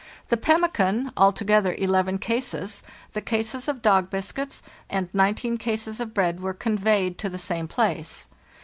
The pemmican—altogether 11 cases—the cases of dog biscuits, and 19 cases of bread were conveyed to the same place.